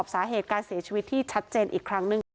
พ่อแม่มาเห็นสภาพศพของลูกร้องไห้กันครับขาดใจ